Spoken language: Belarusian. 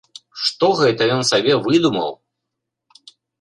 Што гэта ён сабе выдумаў?